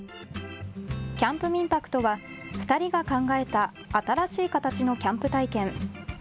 キャンプ民泊とは、２人が考えた新しい形のキャンプ体験。